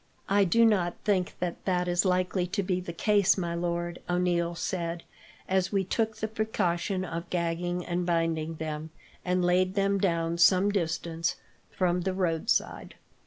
"I do not think that that is likely to be the case, my lord," O'Neil said, "as we took the precaution of gagging and binding them, and laid them down some distance from the roadside.